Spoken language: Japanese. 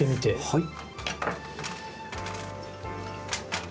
はい。